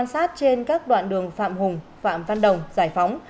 sát trên các đoạn đường phạm hùng phạm văn đồng giải phóng